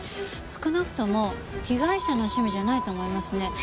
少なくとも被害者の趣味じゃないと思いますね。